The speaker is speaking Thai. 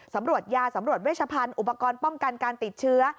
ตำรวจยาสำรวจเวชพันธุ์อุปกรณ์ป้องกันการติดเชื้อ